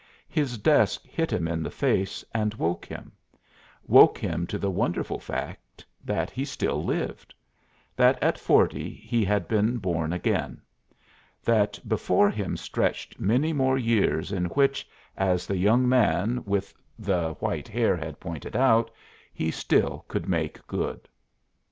His desk hit him in the face and woke him woke him to the wonderful fact that he still lived; that at forty he had been born again; that before him stretched many more years in which, as the young man with the white hair had pointed out, he still could make good.